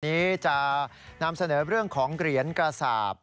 นี้จะนำเสนอเรื่องของเหรียญกระสาป